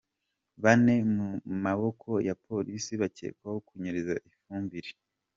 Bane mu maboko ya Polisi bakekwaho kunyereza ifumbire